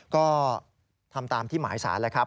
ก็ทำตามที่หมายสารแล้วครับ